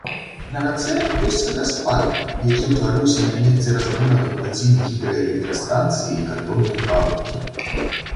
На рацэ ёсць вадаспад, які ўтварыўся на месцы разбуранай плаціны гідраэлектрастанцыі і кардоннай фабрыкі.